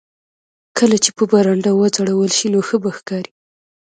کله چې په برنډه وځړول شي نو ښه به ښکاري